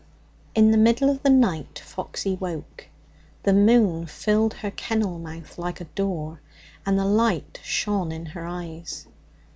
In the middle of the night Foxy woke. The moon filled her kennel mouth like a door, and the light shone in her eyes.